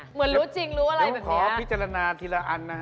เหมือนรู้จริงรู้อะไรแบบนี้เดี๋ยวขอพิจารณาทีละอันนะครับ